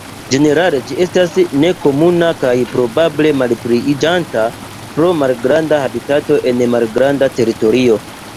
Ĝenerale ĝi estas nekomuna kaj probable malpliiĝanta pro malgranda habitato ene de malgranda teritorio.